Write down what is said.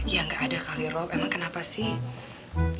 ya nggak ada kali rob emang kenapa sih